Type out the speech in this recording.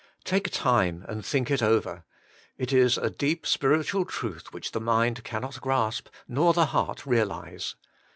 Take time and think it over. It is a deep spiritual truth which the mind cannot grasp nor the heart realise.